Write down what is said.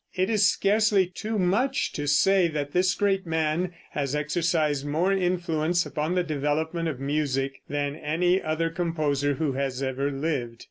It is scarcely too much to say that this great man has exercised more influence upon the development of music than any other composer who has ever lived.